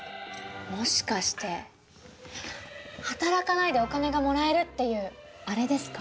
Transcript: もしかして働かないでお金がもらえるっていうアレですか？